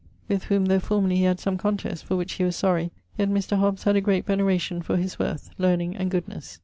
With whom though formerly he had some contest, for which he was sorry, yet Mr. Hobbes had a great veneration for his worth, learning and goodnes.